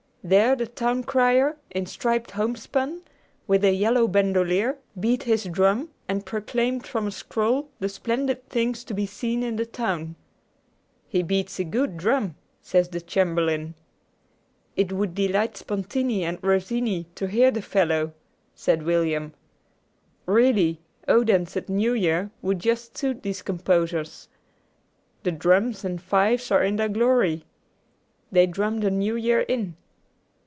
There the town crier, in striped homespun, with a yellow bandoleer, beat his drum and proclaimed from a scroll the splendid things to be seen in the town. "He beats a good drum," said the chamberlain. "It would delight Spontini and Rossini to hear the fellow," said William. "Really, Odense at New Year would just suit these composers. The drums and fifes are in their glory. They drum the New Year in.